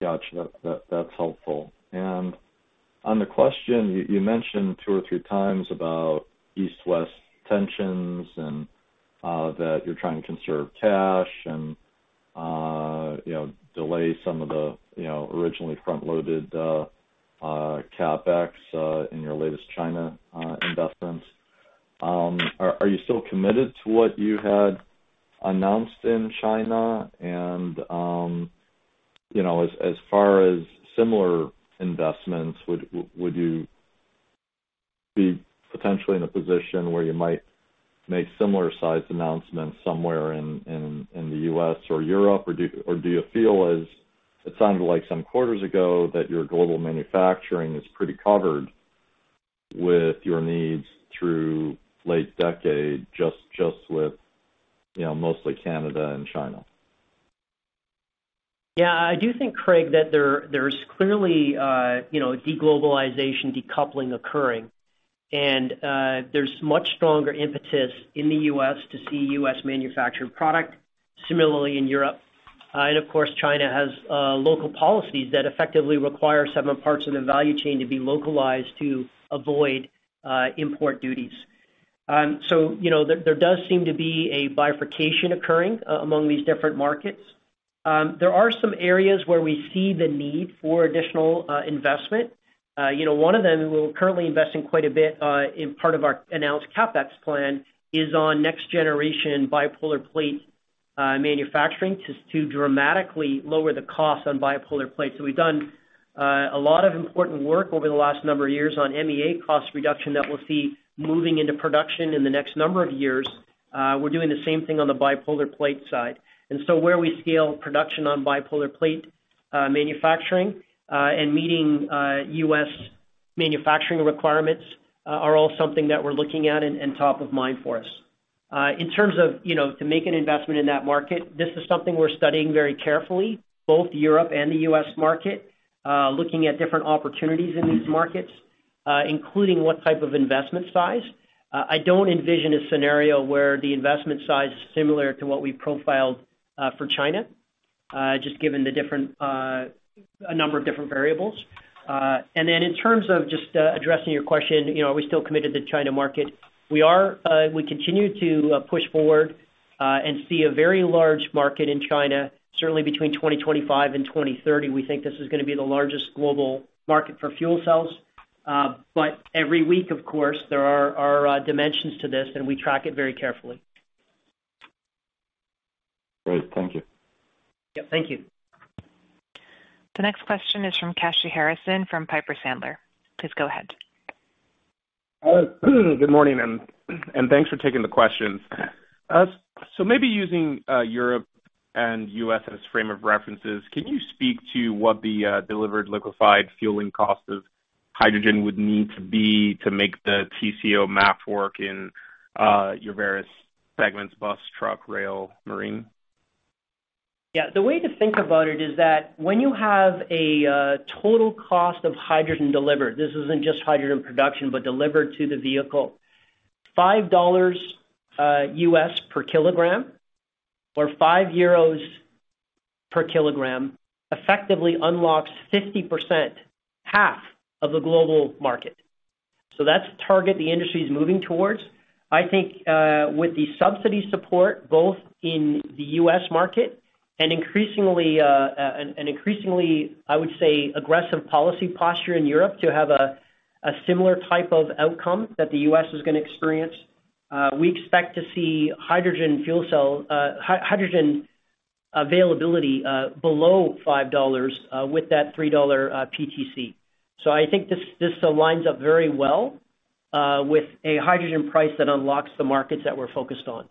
Gotcha. That's helpful. On the question, you mentioned 2 or 3 times about East-West tensions, that you're trying to conserve cash, you know, delay some of the, you know, originally front-loaded CapEx in your latest China investments. Are you still committed to what you had announced in China? As far as similar investments, would you be potentially in a position where you might make similar size announcements somewhere in the U.S. or Europe? Or do you feel as it sounded like some quarters ago that your global manufacturing is pretty covered with your needs through late decade, just with, you know, mostly Canada and China? Yeah. I do think, Craig, that there's clearly, you know, de-globalization decoupling occurring. There's much stronger impetus in the US to see US manufactured product similarly in Europe. Of course, China has local policies that effectively require several parts of the value chain to be localized to avoid import duties. You know, there does seem to be a bifurcation occurring among these different markets. There are some areas where we see the need for additional investment. You know, one of them we're currently investing quite a bit, in part of our announced CapEx plan is on next generation bipolar plate manufacturing to dramatically lower the cost on bipolar plates. We've done a lot of important work over the last number of years on MEA cost reduction that we'll see moving into production in the next number of years. We're doing the same thing on the bipolar plate side. Where we scale production on bipolar plate manufacturing and meeting U.S. manufacturing requirements are all something that we're looking at and top of mind for us. In terms of, you know, to make an investment in that market, this is something we're studying very carefully, both Europe and the U.S. market, looking at different opportunities in these markets, including what type of investment size. I don't envision a scenario where the investment size is similar to what we profiled for China, just given the different a number of different variables. Then in terms of just addressing your question, you know, are we still committed to the China market? We are. We continue to push forward and see a very large market in China, certainly between 2025 and 2030, we think this is gonna be the largest global market for fuel cells. Every week, of course, there are dimensions to this, and we track it very carefully. Great. Thank you. Yep, thank you. The next question is from Kashy Harrison from Piper Sandler. Please go ahead. Good morning, and thanks for taking the questions. Maybe using Europe and U.S. as frame of references, can you speak to what the delivered liquefied fueling cost of hydrogen would need to be to make the TCO math work in your various segments, bus, truck, rail, marine? The way to think about it is that when you have a total cost of hydrogen delivered, this isn't just hydrogen production, but delivered to the vehicle, $5 U.S. per kilogram or 5 euros per kilogram effectively unlocks 50%, half of the global market. That's the target the industry is moving towards. I think, with the subsidy support, both in the U.S. market and increasingly, and increasingly, I would say, aggressive policy posture in Europe to have a similar type of outcome that the U.S. is gonna experience, we expect to see hydrogen fuel cell hydrogen availability below $5 with that $3 PTC. I think this aligns up very well with a hydrogen price that unlocks the markets that we're focused on.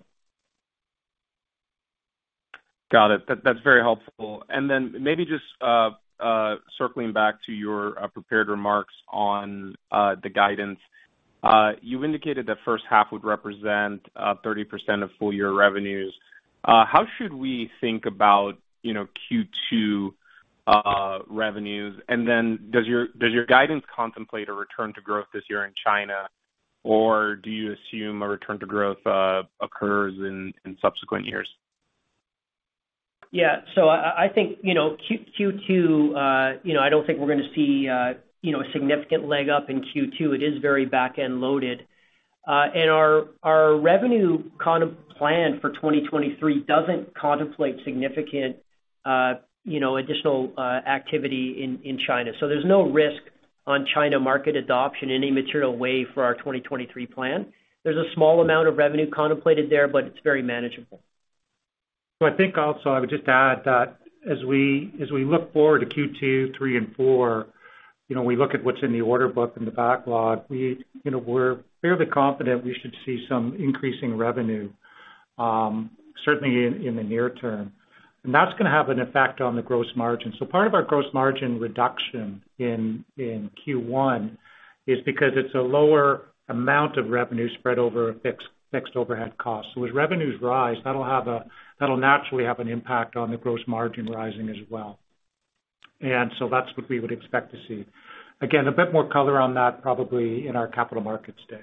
Got it. That's very helpful. Maybe just circling back to your prepared remarks on the guidance. You indicated that first half would represent 30% of full year revenues. How should we think about, you know, Q2 revenues? Does your guidance contemplate a return to growth this year in China, or do you assume a return to growth occurs in subsequent years? Yeah. I think, you know, Q2, you know, I don't think we're gonna see, you know, a significant leg up in Q2. It is very back-end loaded. Our revenue kind of plan for 2023 doesn't contemplate significant, you know, additional activity in China. There's no risk on China market adoption in a material way for our 2023 plan. There's a small amount of revenue contemplated there, but it's very manageable. I think also I would just add that as we, as we look forward to Q2, 3 and 4, you know, we look at what's in the order book and the backlog. We, you know, we're fairly confident we should see some increasing revenue certainly in the near term. That's gonna have an effect on the gross margin. Part of our gross margin reduction in Q1 is because it's a lower amount of revenue spread over a fixed overhead cost. As revenues rise, that'll naturally have an impact on the gross margin rising as well. That's what we would expect to see. Again, a bit more color on that probably in our Capital Markets Day.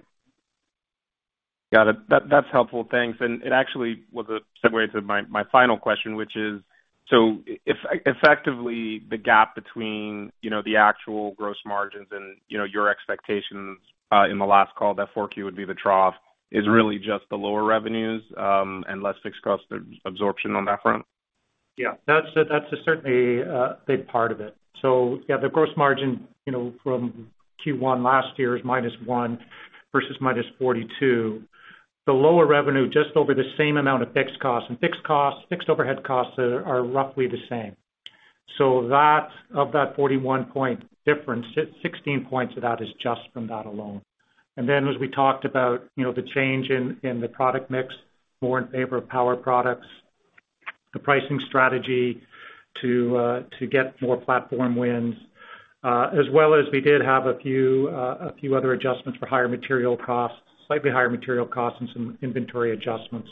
Got it. That's helpful. Thanks. It actually was a segue to my final question, which is, so effectively, the gap between, you know, the actual gross margins and, you know, your expectations, in the last call that four Q would be the trough is really just the lower revenues, and less fixed cost absorption on that front? That's certainly a big part of it. The gross margin, you know, from Q1 last year is -1% versus -42%. The lower revenue just over the same amount of fixed costs, and fixed overhead costs are roughly the same. That, of that 41 point difference, 16 points of that is just from that alone. As we talked about, you know, the change in the product mix, more in favor of power products, the pricing strategy to get more platform wins, as well as we did have a few other adjustments for higher material costs, slightly higher material costs and some inventory adjustments,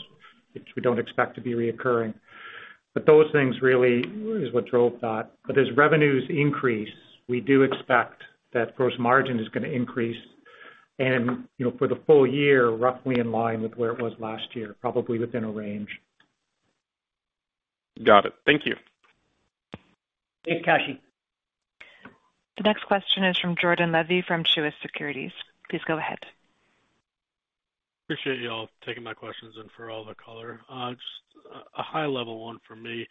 which we don't expect to be recurring. Those things really is what drove that. As revenues increase, we do expect that gross margin is going to increase, you know, for the full year, roughly in line with where it was last year, probably within a range. Got it. Thank you. Thanks, Kashy. The next question is from Jordan Levy from Truist Securities. Please go ahead. Appreciate y'all taking my questions and for all the color. Just a high level one for me.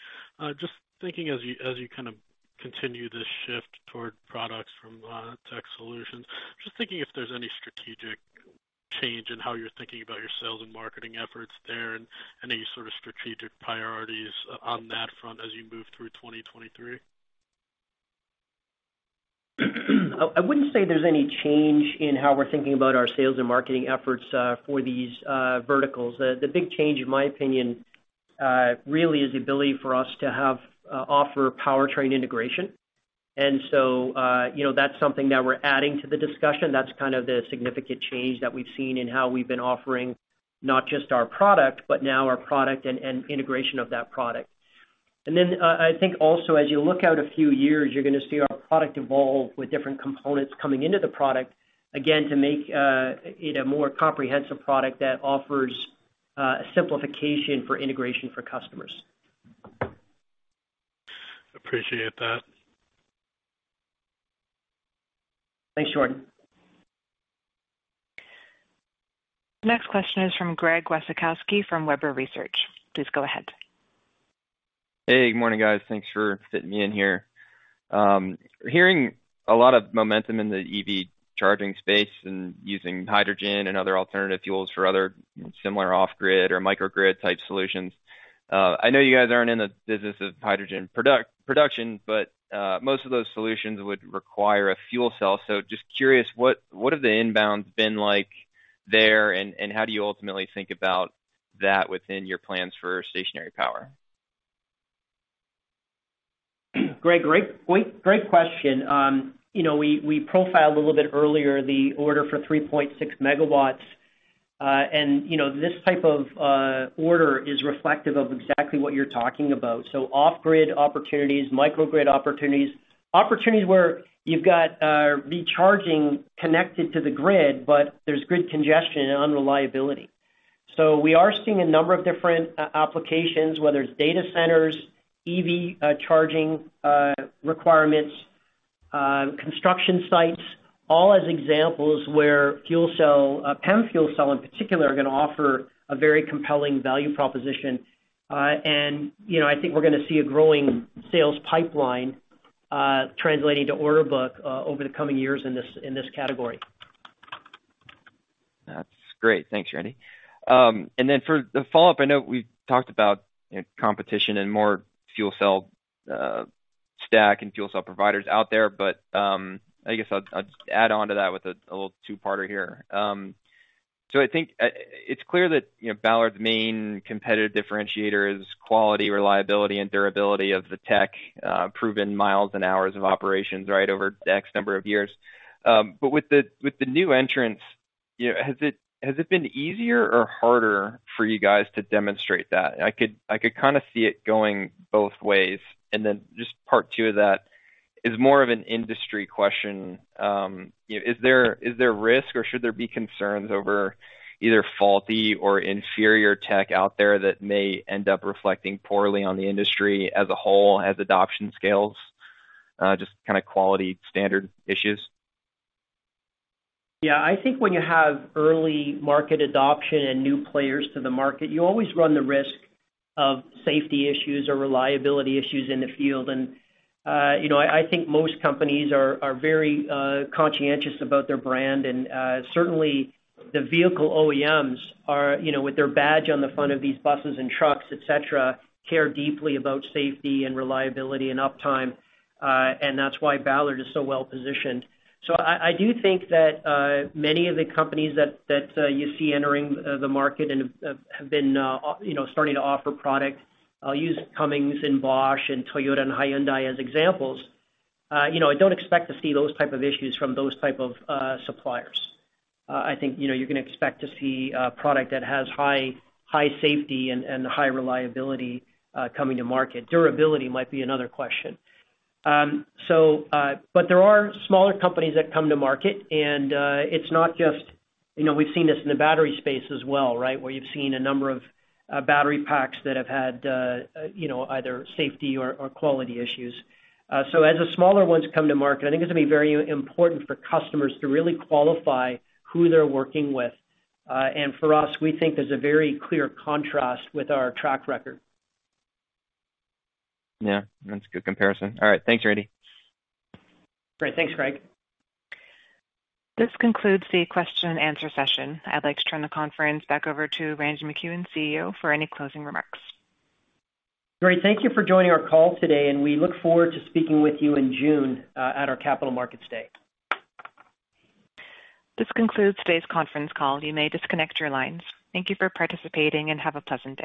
Just thinking as you, as you kind of continue this shift toward products from tech solutions, just thinking if there's any strategic change in how you're thinking about your sales and marketing efforts there and any sort of strategic priorities on that front as you move through 2023? I wouldn't say there's any change in how we're thinking about our sales and marketing efforts for these verticals. The big change, in my opinion, really is the ability for us to have offer powertrain integration. You know, that's something that we're adding to the discussion. That's kind of the significant change that we've seen in how we've been offering not just our product, but now our product and integration of that product. I think also as you look out a few years, you're gonna see our product evolve with different components coming into the product, again, to make it a more comprehensive product that offers simplification for integration for customers. Appreciate that. Thanks, Jordan. Next question is from Greg Wasikowski from Webber Research. Please go ahead. Hey, good morning, guys. Thanks for fitting me in here. hearing a lot of momentum in the EV charging space and using hydrogen and other alternative fuels for other similar off grid or microgrid type solutions. I know you guys aren't in the business of hydrogen production, but most of those solutions would require a fuel cell. just curious, what have the inbounds been like there, and how do you ultimately think about that within your plans for stationary power? Greg, great point. Great question. you know, we profiled a little bit earlier the order for 3.6 megawatts. you know, this type of order is reflective of exactly what you're talking about. Off grid opportunities, microgrid opportunities where you've got the charging connected to the grid, but there's grid congestion and unreliability. We are seeing a number of different applications, whether it's data centers, EV charging requirements, construction sites, all as examples where fuel cell, PEM fuel cell in particular, are gonna offer a very compelling value proposition. you know, I think we're gonna see a growing sales pipeline, translating to order book over the coming years in this category. That's great. Thanks, Randy. For the follow-up, I know we talked about competition and more fuel cell stack and fuel cell providers out there, but I guess I'll add on to that with a little two-parter here. I think it's clear that, you know, Ballard's main competitive differentiator is quality, reliability, and durability of the tech, proven miles and hours of operations, right, over X number of years. With the new entrants, you know, has it been easier or harder for you guys to demonstrate that? I could kind of see it going both ways. Just part two of that is more of an industry question. you know, is there risk, or should there be concerns over either faulty or inferior tech out there that may end up reflecting poorly on the industry as a whole, as adoption scales? Just kind of quality standard issues. Yeah. I think when you have early market adoption and new players to the market, you always run the risk of safety issues or reliability issues in the field. You know, I think most companies are very conscientious about their brand. Certainly the vehicle OEMs are, you know, with their badge on the front of these buses and trucks, et cetera, care deeply about safety and reliability and uptime, and that's why Ballard is so well positioned. I do think that many of the companies that you see entering the market and have been, you know, starting to offer product, I'll use Cummins and Bosch and Toyota and Hyundai as examples. You know, I don't expect to see those type of issues from those type of suppliers. I think, you know, you're gonna expect to see a product that has high safety and high reliability coming to market. Durability might be another question. So, there are smaller companies that come to market, and it's not just, you know, we've seen this in the battery space as well, right? Where you've seen a number of battery packs that have had, you know, either safety or quality issues. As the smaller ones come to market, I think it's gonna be very important for customers to really qualify who they're working with. For us, we think there's a very clear contrast with our track record. Yeah, that's a good comparison. All right. Thanks, Randy. Great. Thanks, Greg. This concludes the question and answer session. I'd like to turn the conference back over to Randy MacEwen, CEO, for any closing remarks. Great. Thank you for joining our call today, and we look forward to speaking with you in June at our Capital Markets Day. This concludes today's conference call. You may disconnect your lines. Thank you for participating, and have a pleasant day.